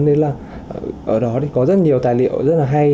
đấy là ở đó có rất nhiều tài liệu rất là hay